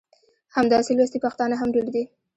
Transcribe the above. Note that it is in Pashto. همداسې لوستي پښتانه هم ډېر دي.